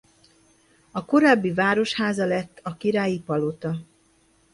A korábbi városháza lett a királyi palota.